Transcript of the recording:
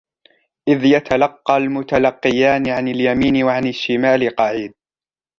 إذ يتلقى المتلقيان عن اليمين وعن الشمال قعيد